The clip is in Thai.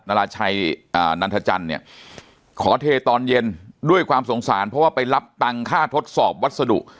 ราชัยนันทจันทร์เนี่ยขอเทตอนเย็นด้วยความสงสารเพราะว่าไปรับตังค่าทดสอบวัสดุ